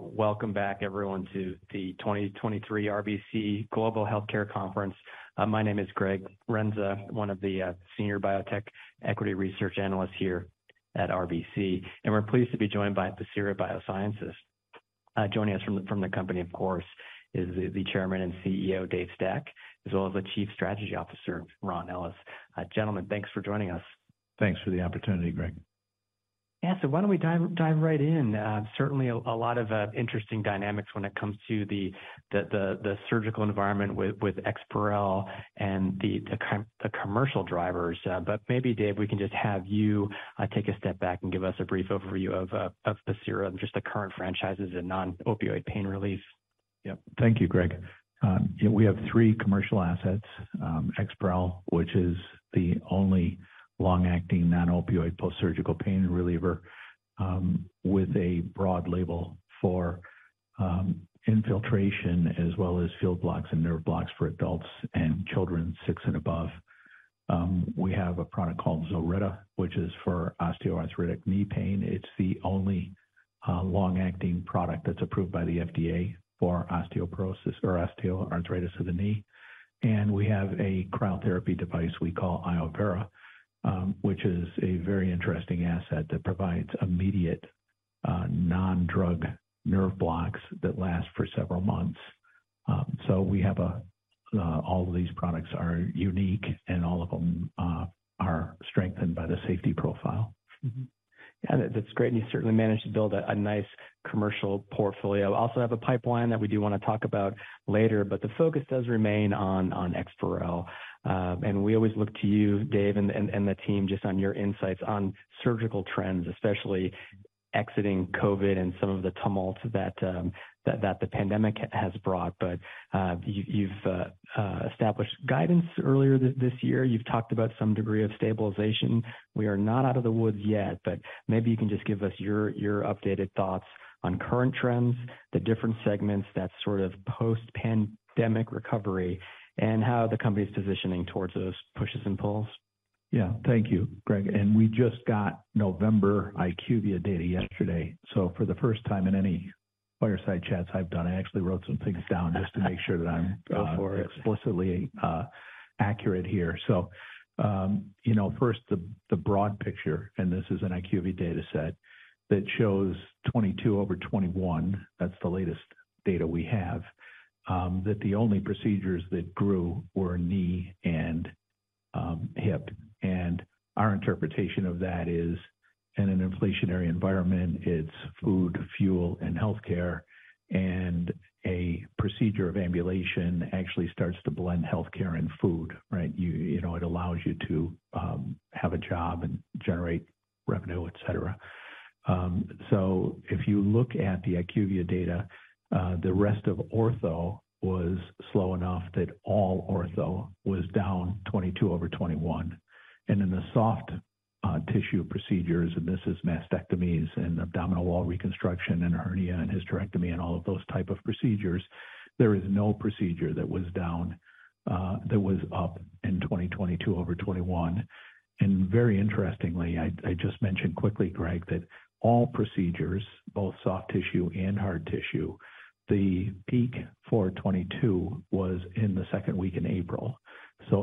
Welcome back everyone to the 2023 RBC Global Healthcare Conference. My name is Gregory Renza, one of the senior biotech equity research analysts here at RBC. We're pleased to be joined by Pacira BioSciences. Joining us from the company, of course, is the Chairman and CEO, Dave Stack, as well as the Chief Strategy Officer, Ron Ellis. Gentlemen, thanks for joining us. Thanks for the opportunity, Greg. Yeah. Why don't we dive right in? Certainly a lot of interesting dynamics when it comes to the surgical environment with EXPAREL and the commercial drivers. Maybe Dave, we can just have you take a step back and give us a brief overview of Pacira and just the current franchises in non-opioid pain relief. Yeah. Thank you, Greg. Yeah, we have three commercial assets, EXPAREL, which is the only long-acting non-opioid post-surgical pain reliever, with a broad label for infiltration as well as field blocks and nerve blocks for adults and children six and above. We have a product called ZILRETTA, which is for osteoarthritic knee pain. It's the only long-acting product that's approved by the FDA for osteoporosis or osteoarthritis of the knee. We have a cryotherapy device we call iovera°, which is a very interesting asset that provides immediate non-drug nerve blocks that last for several months. All of these products are unique, and all of them are strengthened by the safety profile. Yeah, that's great. You certainly managed to build a nice commercial portfolio. Also have a pipeline that we do wanna talk about later, but the focus does remain on EXPAREL. We always look to you, Dave, and the team, just on your insights on surgical trends, especially exiting COVID and some of the tumult that the pandemic has brought. You've established guidance earlier this year. You've talked about some degree of stabilization. We are not out of the woods yet, but maybe you can just give us your updated thoughts on current trends, the different segments that sort of post-pandemic recovery, and how the company's positioning towards those pushes and pulls. Yeah. Thank you, Greg. We just got November IQVIA data yesterday. For the first time in any fireside chats I've done, I actually wrote some things down. Go for it. explicitly accurate here. You know, first, the broad picture, this is an IQVIA data set that shows 2022 over 2021. That's the latest data we have. That the only procedures that grew were knee and hip. Our interpretation of that is, in an inflationary environment, it's food, fuel, and healthcare. A procedure of ambulation actually starts to blend healthcare and food, right? You know, it allows you to have a job and generate revenue, et cetera. If you look at the IQVIA data, the rest of ortho was slow enough that all ortho was down 2022 over 2021. In the soft tissue procedures, and this is mastectomies and abdominal wall reconstruction and hernia and hysterectomy and all of those type of procedures, there is no procedure that was up in 2022 over 2021. Very interestingly, I just mentioned quickly, Greg, that all procedures, both soft tissue and hard tissue, the peak for 2022 was in the second week in April.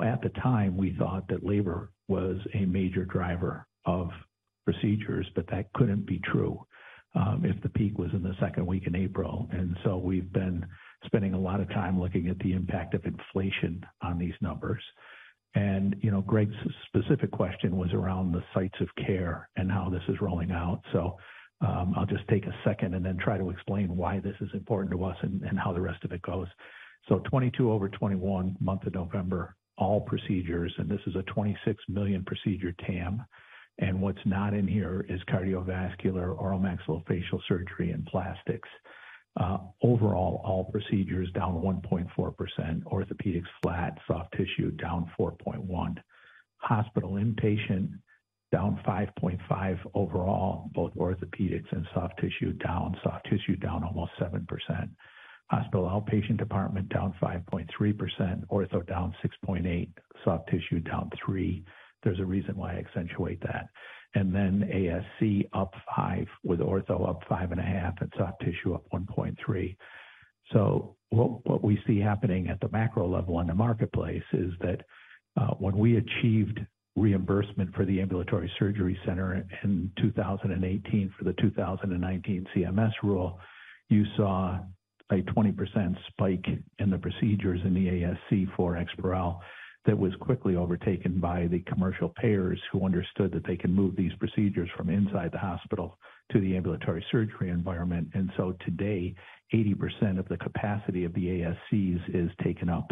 At the time, we thought that labor was a major driver of procedures, but that couldn't be true if the peak was in the second week in April. We've been spending a lot of time looking at the impact of inflation on these numbers. You know, Greg's specific question was around the sites of care and how this is rolling out. I'll just take a second and then try to explain why this is important to us and how the rest of it goes. 2022 over 2021, month of November, all procedures, and this is a $26 million procedure TAM, and what's not in here is cardiovascular, oral maxillofacial surgery, and plastics. Overall, all procedures down 1.4%. Orthopedics flat. Soft tissue down 4.1%. Hospital inpatient down 5.5% overall. Both orthopedics and soft tissue down. Soft tissue down almost 7%. Hospital Outpatient Department down 5.3%. Ortho down 6.8%. Soft tissue down 3%. There's a reason why I accentuate that. ASC up 5%, with ortho up 5.5% and soft tissue up 1.3%. What we see happening at the macro level in the marketplace is that, when we achieved reimbursement for the ambulatory surgery center in 2018 for the 2019 CMS rule, you saw a 20% spike in the procedures in the ASC for EXPAREL that was quickly overtaken by the commercial payers who understood that they can move these procedures from inside the hospital to the ambulatory surgery environment. Today, 80% of the capacity of the ASCs is taken up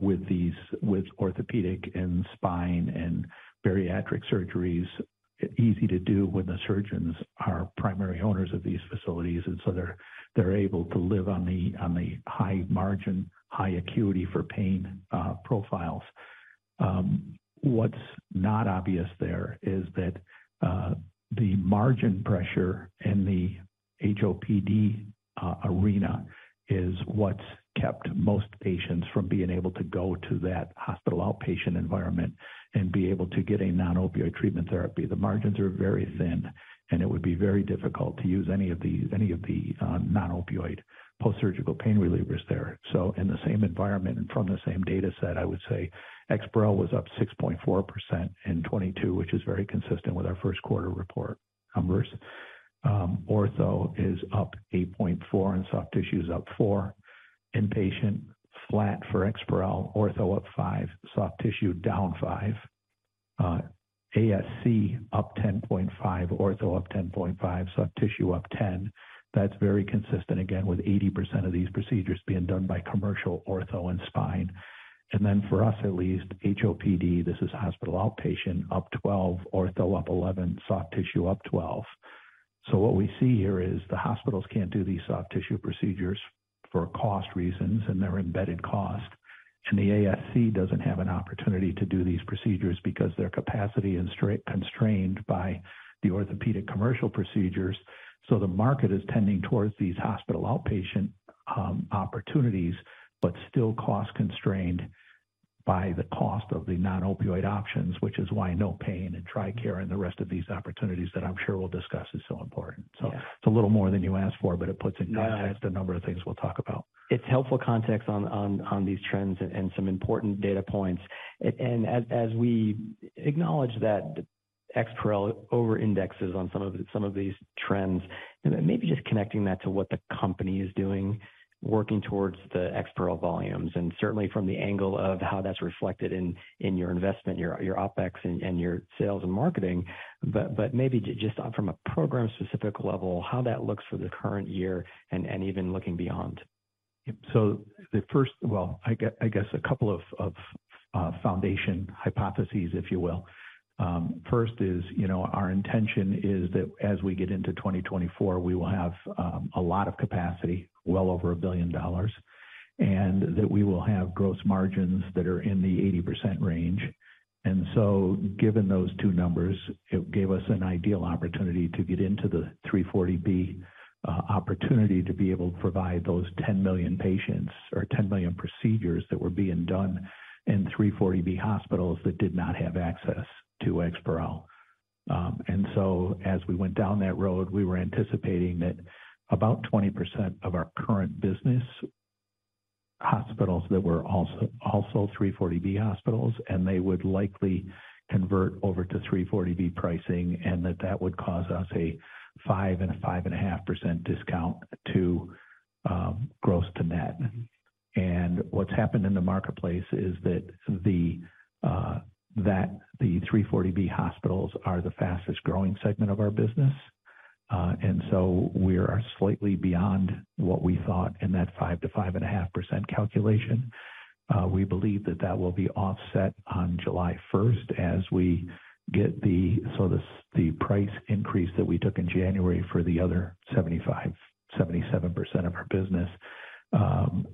with orthopedic and spine and bariatric surgeries. Easy to do when the surgeons are primary owners of these facilities, and they're able to live on the high margin, high acuity for pain profiles. What's not obvious there is that the margin pressure in the HOPD arena is what's kept most patients from being able to go to that hospital outpatient environment and be able to get a non-opioid treatment therapy. The margins are very thin, and it would be very difficult to use any of the non-opioid post-surgical pain relievers there. In the same environment and from the same data set, I would say, EXPAREL was up 6.4% in 2022, which is very consistent with our first quarter report numbers. Ortho is up 8.4%, and soft tissue is up 4%. Inpatient, flat for EXPAREL, ortho up 5%, soft tissue down 5%. ASC up 10.5%, ortho up 10.5%, soft tissue up 10%. That's very consistent, again, with 80% of these procedures being done by commercial ortho and spine. For us, at least, HOPD, this is hospital outpatient, up 12%, ortho up 11%, soft tissue up 12%. What we see here is the hospitals can't do these soft tissue procedures for cost reasons, and they're embedded cost. The ASC doesn't have an opportunity to do these procedures because their capacity is constrained by the orthopedic commercial procedures. The market is tending towards these hospital outpatient opportunities, but still cost-constrained by the cost of the non-opioid options, which is why NOPAIN and TRICARE and the rest of these opportunities that I'm sure we'll discuss is so important. Yeah. It's a little more than you asked for, but it puts in context. No. The number of things we'll talk about. It's helpful context on these trends and some important data points. As we acknowledge that EXPAREL over-indexes on some of these trends, and maybe just connecting that to what the company is doing, working towards the EXPAREL volumes, and certainly from the angle of how that's reflected in your investment, your OpEx and your sales and marketing. Maybe just from a program-specific level, how that looks for the current year and even looking beyond. Well, I guess a couple of foundation hypotheses, if you will. First is, you know, our intention is that as we get into 2024, we will have a lot of capacity, well over $1 billion, and that we will have gross margins that are in the 80% range. Given those two numbers, it gave us an ideal opportunity to get into the 340B opportunity to be able to provide those 10 million patients or 10 million procedures that were being done in 340B hospitals that did not have access to EXPAREL. As we went down that road, we were anticipating that about 20% of our current business hospitals that were also 340B hospitals, and they would likely convert over to 340B pricing, and that would cause us a 5.5% discount to gross to net. What's happened in the marketplace is that the 340B hospitals are the fastest-growing segment of our business. We are slightly beyond what we thought in that 5%-5.5% calculation. We believe that that will be offset on July 1st as we get the price increase that we took in January for the other 75%, 77% of our business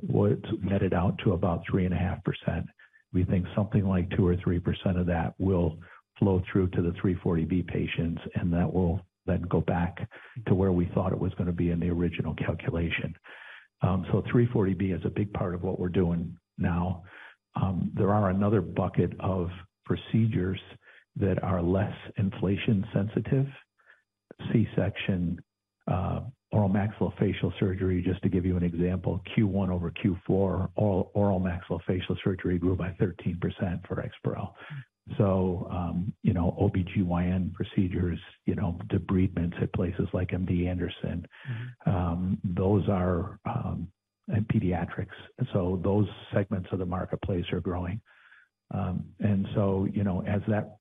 would net it out to about 3.5%. We think something like 2% or 3% of that will flow through to the 340B patients, and that will then go back to where we thought it was gonna be in the original calculation. 340B is a big part of what we're doing now. There are another bucket of procedures that are less inflation sensitive. C-section, oral maxillofacial surgery, just to give you an example, Q1 over Q4, oral maxillofacial surgery grew by 13% for EXPAREL. You know, OBGYN procedures, you know, debridements at places like MD Anderson. Those are, and pediatrics. Those segments of the marketplace are growing. You know, as that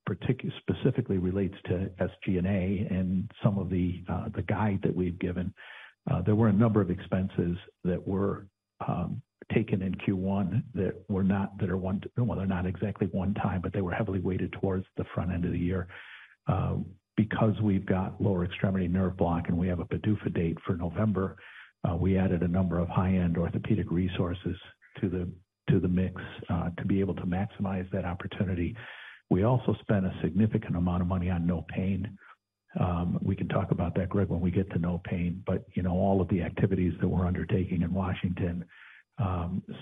specifically relates to SG&A and some of the guide that we've given, there were a number of expenses that were taken in Q1 that were Well, they're not exactly one time, but they were heavily weighted towards the front end of the year. Because we've got lower extremity nerve block and we have a PDUFA date for November, we added a number of high-end orthopedic resources to the mix to be able to maximize that opportunity. We also spent a significant amount of money on No Pain. We can talk about that, Greg, when we get to NOPAIN. you know, all of the activities that we're undertaking in Washington,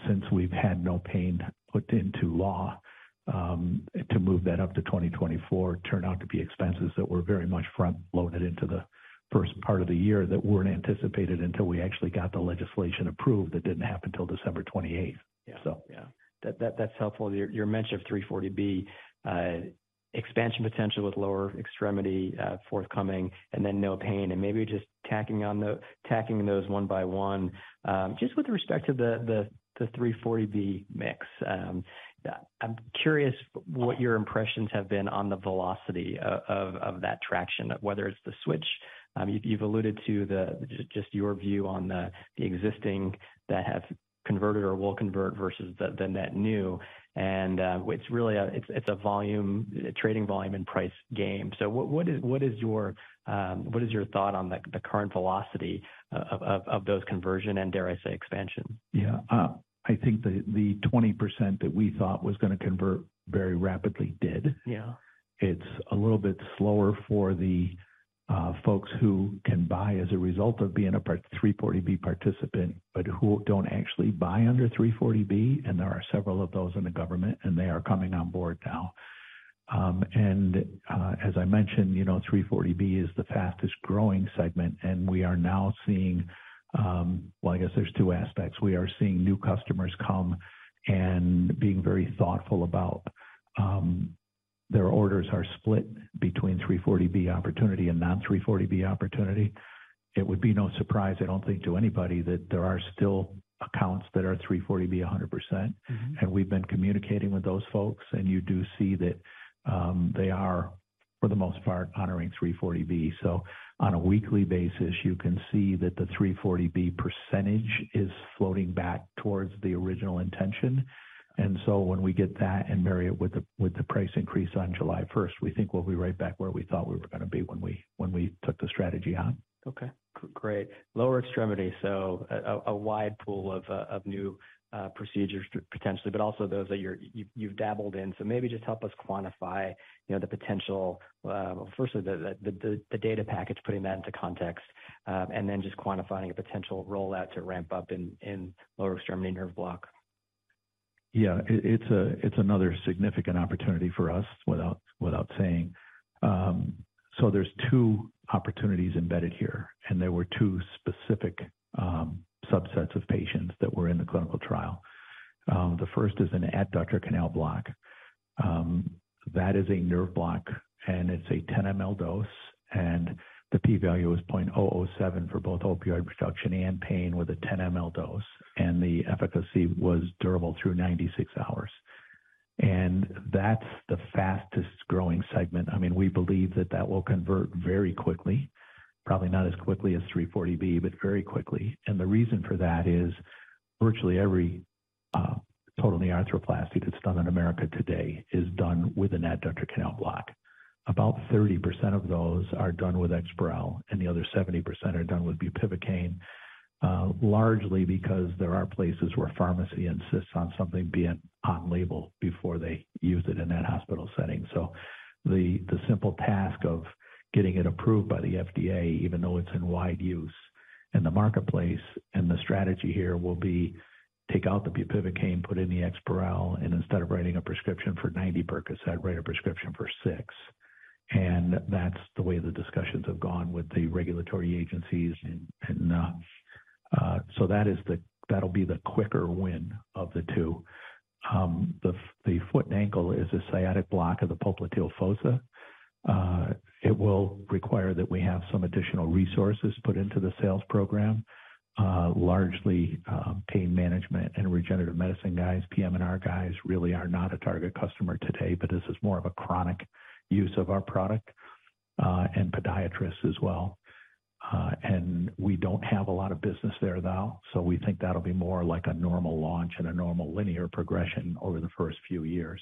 since we've had NOPAIN Act put into law, to move that up to 2024, turned out to be expenses that were very much front-loaded into the first part of the year that weren't anticipated until we actually got the legislation approved. That didn't happen till December 28th. Yeah. So. Yeah. That's helpful. Your mention of 340B expansion potential with lower extremity forthcoming and then NOPAIN Act, and maybe just tacking those one by one. Just with respect to the 340B mix. I'm curious what your impressions have been on the velocity of that traction, whether it's the switch. You've alluded to just your view on the existing that have converted or will convert versus the net new. It's really a volume, trading volume and price game. What is your thought on the current velocity of those conversion and dare I say, expansion? Yeah. I think the 20% that we thought was gonna convert very rapidly did. Yeah. It's a little bit slower for the folks who can buy as a result of being a 340B participant, but who don't actually buy under 340B. There are several of those in the government, and they are coming on board now. As I mentioned, you know, 340B is the fastest-growing segment. We are now seeing, well, I guess there's two aspects. We are seeing new customers come and being very thoughtful about their orders are split between 340B opportunity and non-340B opportunity. It would be no surprise, I don't think, to anybody that there are still accounts that are 340B 100%. Mm-hmm. We've been communicating with those folks, and you do see that they are, for the most part, honoring 340B. On a weekly basis, you can see that the 340B percentage is floating back towards the original intention. When we get that and marry it with the, with the price increase on July 1st, we think we'll be right back where we thought we were gonna be when we, when we took the strategy on. Okay. Great. Lower extremity, a wide pool of new procedures potentially, but also those that you've dabbled in. Maybe just help us quantify, you know, the potential, firstly the data package, putting that into context, and then just quantifying a potential rollout to ramp up in lower extremity nerve block. It's another significant opportunity for us, without saying. There's two opportunities embedded here, and there were two specific subsets of patients that were in the clinical trial. The first is an adductor canal block. That is a nerve block, and it's a 10 ml dose, and the p-value is 0.007 for both opioid reduction and pain with a 10 ml dose, and the efficacy was durable through 96 hours. That's the fastest-growing segment. I mean, we believe that will convert very quickly, probably not as quickly as 340B, but very quickly. The reason for that is virtually every total knee arthroplasty that's done in America today is done with an adductor canal block. About 30% of those are done with EXPAREL, and the other 70% are done with bupivacaine, largely because there are places where pharmacy insists on something being on label before they use it in that hospital setting. The simple task of getting it approved by the FDA, even though it's in wide use in the marketplace, and the strategy here will be take out the bupivacaine, put in the EXPAREL, and instead of writing a prescription for 90 Percocet, write a prescription for six. That's the way the discussions have gone with the regulatory agencies and that'll be the quicker win of the two. The foot and ankle is a sciatic block of the popliteal fossa. It will require that we have some additional resources put into the sales program, largely, pain management and regenerative medicine guys. PM&R guys really are not a target customer today, this is more of a chronic use of our product, and podiatrists as well. We don't have a lot of business there though, we think that'll be more like a normal launch and a normal linear progression over the first few years.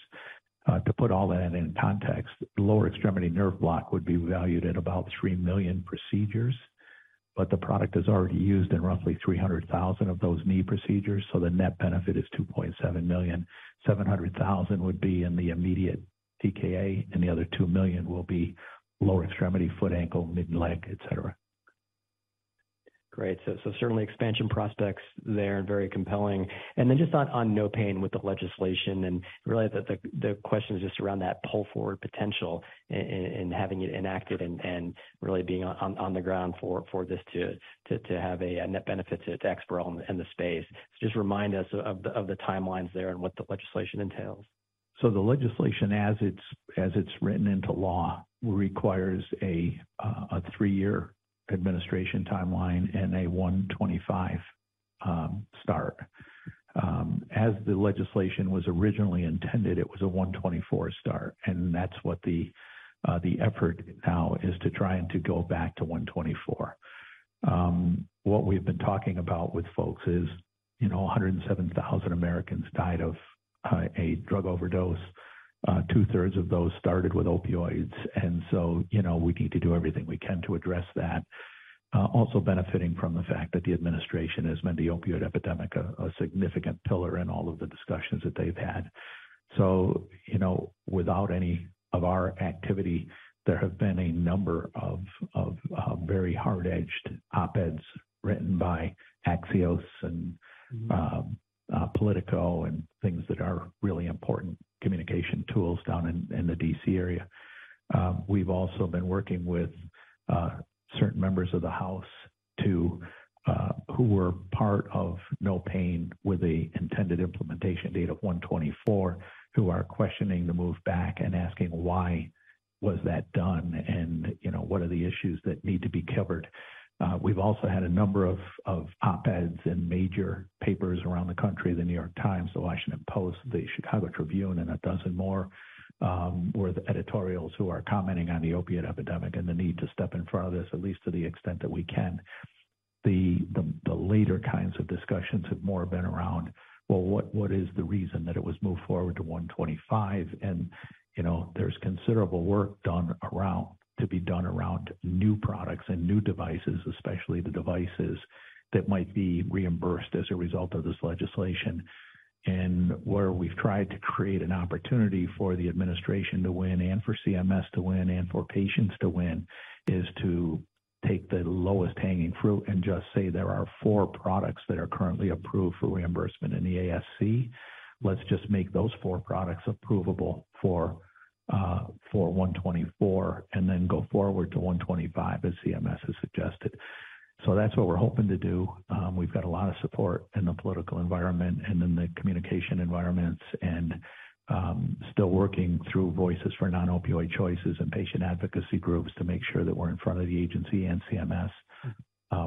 To put all that in context, lower extremity nerve block would be valued at about 3 million procedures, but the product is already used in roughly 300,000 of those knee procedures, so the net benefit is 2.7 million. 700,000 would be in the immediate TKA, the other 2 million will be lower extremity, foot, ankle, mid-leg, et cetera. Great. Certainly expansion prospects there and very compelling. Then just on NOPAIN Act with the legislation and really the question is just around that pull-forward potential and having it enacted and really being on the ground for this to have a net benefit to EXPAREL in the space. Just remind us of the timelines there and what the legislation entails. The legislation as it's written into law requires a three-year administration timeline and a 2025 start. As the legislation was originally intended, it was a 2024 start, and that's what the effort now is to try and to go back to 2024. What we've been talking about with folks is, you know, 107,000 Americans died of a drug overdose. 2/3 of those started with opioids. You know, we need to do everything we can to address that. Also benefiting from the fact that the administration has made the opioid epidemic a significant pillar in all of the discussions that they've had. You know, without any of our activity, there have been a number of, very hard-edged op-eds written by Axios and Politico and things that are really important communication tools down in the D.C. area. We've also been working with certain members of the House to, who were part of NOPAIN with the intended implementation date of 1/24, who are questioning the move back and asking why was that done and, you know, what are the issues that need to be covered. We've also had a number of op-eds in major papers around the country, The New York Times, The Washington Post, the Chicago Tribune, and a dozen more, with editorials who are commenting on the opiate epidemic and the need to step in front of this, at least to the extent that we can. The later kinds of discussions have more been around, well, what is the reason that it was moved forward to 1/25? You know, there's considerable work done around to be done around new products and new devices, especially the devices that might be reimbursed as a result of this legislation. Where we've tried to create an opportunity for the administration to win and for CMS to win and for patients to win is to take the lowest hanging fruit and just say there are four products that are currently approved for reimbursement in the ASC. Let's just make those four products approvable for 1/24, then go forward to 1/25, as CMS has suggested. That's what we're hoping to do. We've got a lot of support in the political environment and in the communication environments and, still working through Voices for Non-Opioid Choices and patient advocacy groups to make sure that we're in front of the agency and CMS,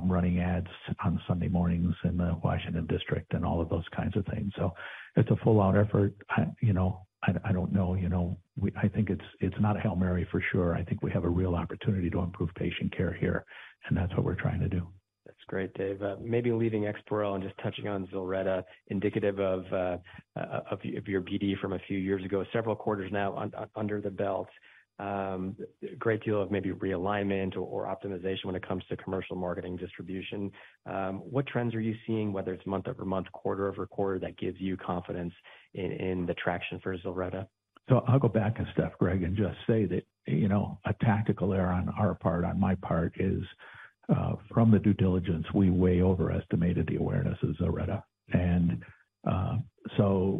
running ads on Sunday mornings in the Washington District and all of those kinds of things. It's a full-on effort. I, you know, I don't know. You know, I think it's not a Hail Mary for sure. I think we have a real opportunity to improve patient care here, and that's what we're trying to do. That's great, Dave. Maybe leaving EXPAREL and just touching on ZILRETTA, indicative of your, of your PD from a few years ago, several quarters now under the belt. Great deal of maybe realignment or optimization when it comes to commercial marketing distribution. what trends are you seeing, whether it's month-over-month, quarter-over-quarter, that gives you confidence in the traction for ZILRETTA? I'll go back a step, Greg, and just say that, you know, a tactical error on our part, on my part is from the due diligence, we way overestimated the awareness of ZILRETTA.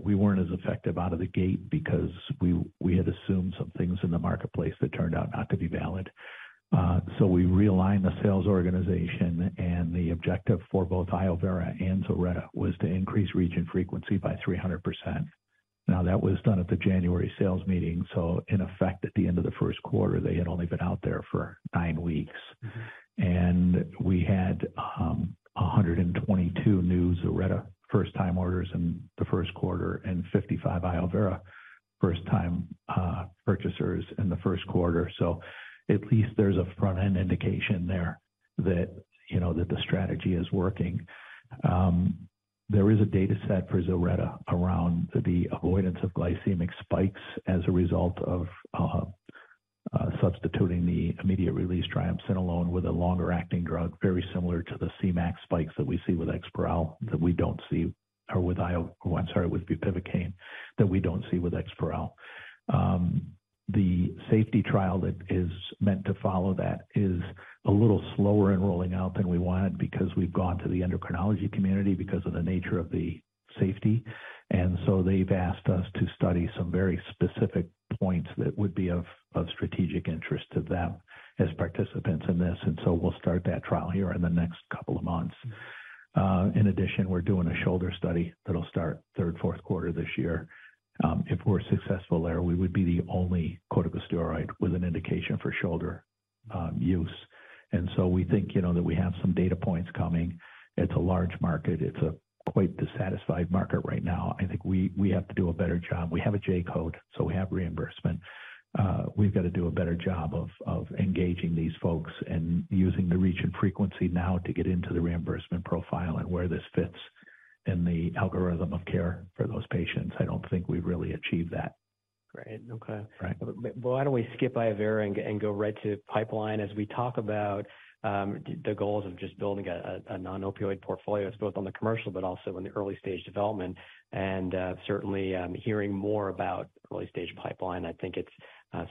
We weren't as effective out of the gate because we had assumed some things in the marketplace that turned out not to be valid. We realigned the sales organization, and the objective for both iovera° and ZILRETTA was to increase reach and frequency by 300%. That was done at the January sales meeting, so in effect, at the end of the first quarter, they had only been out there for nine weeks. We had 122 new ZILRETTA first-time orders in the first quarter and 55 iovera° first-time purchasers in the first quarter. At least there's a front-end indication there that, you know, that the strategy is working. There is a data set for ZILRETTA around the avoidance of glycemic spikes as a result of substituting the immediate-release triamcinolone with a longer-acting drug, very similar to the Cmax spikes that we see with EXPAREL, that we don't see with bupivacaine that we don't see with EXPAREL. The safety trial that is meant to follow that is a little slower in rolling out than we wanted because we've gone to the endocrinology community because of the nature of the safety. They've asked us to study some very specific points that would be of strategic interest to them as participants in this. We'll start that trial here in the next couple of months. In addition, we're doing a shoulder study that'll start third, fourth quarter this year. If we're successful there, we would be the only corticosteroid with an indication for shoulder use. We think, you know, that we have some data points coming. It's a large market. It's a quite dissatisfied market right now. I think we have to do a better job. We have a J-code, so we have reimbursement. We've got to do a better job of engaging these folks and using the reach and frequency now to get into the reimbursement profile and where this fits in the algorithm of care for those patients. I don't think we've really achieved that. Great. Okay. Right. Why don't we skip iovera° and go right to pipeline. As we talk about, the goals of just building a non-opioid portfolio, it's both on the commercial but also in the early stage development, and certainly, hearing more about early-stage pipeline, I think it's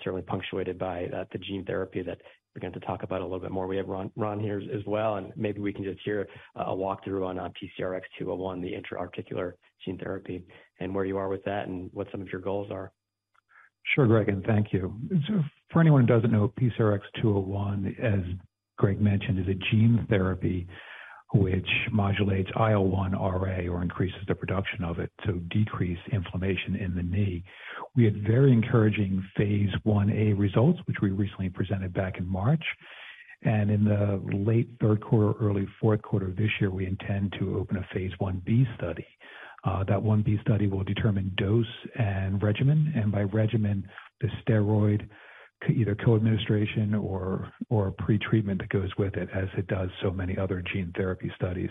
certainly punctuated by the gene therapy that we're going to talk about a little bit more. We have Ron here as well, and maybe we can just hear a walkthrough on PCRX-201, the intra-articular gene therapy and where you are with that and what some of your goals are. Sure, Greg, thank you. For anyone who doesn't know, PCRX-201, as Greg mentioned, is a gene therapy which modulates IL-1RA or increases the production of it to decrease inflammation in the knee. We had very encouraging phase I-A results, which we recently presented back in March. In the late third quarter, early fourth quarter of this year, we intend to open a phase I-B study. That I-B study will determine dose and regimen, and by regimen, the steroid, either co-administration or pretreatment that goes with it as it does so many other gene therapy studies.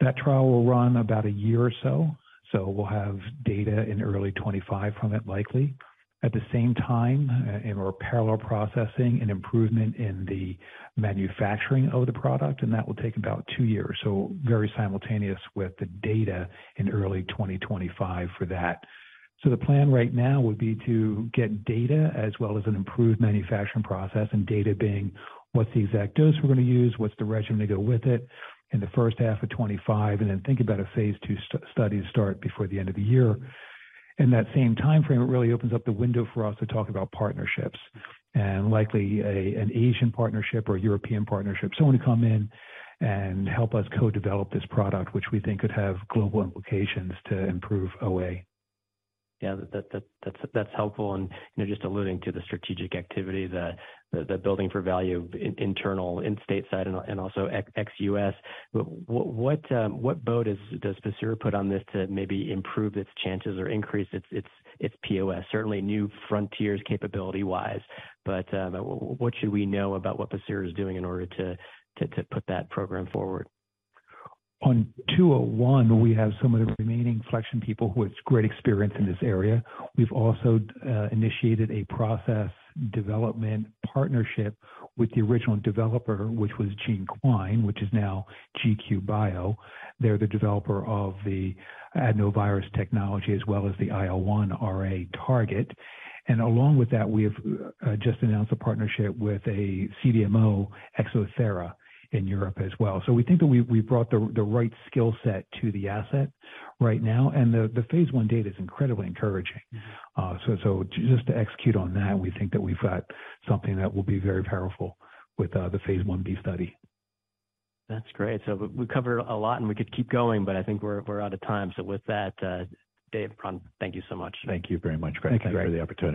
That trial will run about a year or so we'll have data in early 2025 from it likely. At the same time, we're parallel processing an improvement in the manufacturing of the product, and that will take about two years. Very simultaneous with the data in early 2025 for that. The plan right now would be to get data as well as an improved manufacturing process and data being what's the exact dose we're gonna use, what's the regimen to go with it in the first half of 2025, and then think about a phase II study to start before the end of the year. In that same timeframe, it really opens up the window for us to talk about partnerships and likely a, an Asian partnership or a European partnership, someone to come in and help us co-develop this product, which we think could have global implications to improve OA. Yeah. That's helpful. You know, just alluding to the strategic activity that building for value internal, in state side and also ex-U.S. What does Pacira put on this to maybe improve its chances or increase its POS? Certainly new frontiers capability-wise, but what should we know about what Pacira is doing in order to put that program forward? On 201, we have some of the remaining Flexion people who has great experience in this area. We've also initiated a process development partnership with the original developer, which was GeneQuine, which is now GQ Bio. They're the developer of the adenovirus technology as well as the IL-1RA target. Along with that, we have just announced a partnership with a CDMO, Exothera, in Europe as well. We think that we brought the right skill set to the asset right now, and the phase I data is incredibly encouraging. Just to execute on that, we think that we've got something that will be very powerful with the phase I-B study. That's great. We, we covered a lot and we could keep going, but I think we're out of time. With that, Dave, Ron, thank you so much. Thank you very much, Greg. Thank you. For the opportunity.